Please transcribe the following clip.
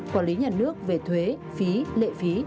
quản lý nhà nước về thuế phí lệ phí